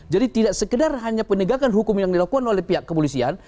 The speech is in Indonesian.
jadi tidak sekedar hanya penegakan hukum yang dilakukan oleh pihak kepolisian